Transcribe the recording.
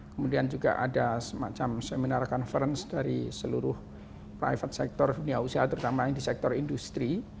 kemudian juga ada semacam seminar conference dari seluruh private sector dunia usaha terutama yang di sektor industri